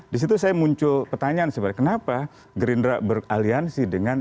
disitu saya muncul pertanyaan sebagai kenapa gerindra beraliansi dengan